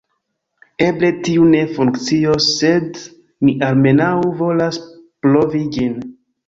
Eble tiu ne funkcios sed mi almenaŭ volas provi ĝin